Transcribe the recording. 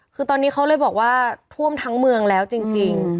คือตอนนี้เขาเลยบอกว่าท่วมทั้งเมืองแล้วจริง